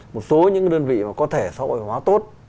một số những đơn vị có thể xã hội hóa tốt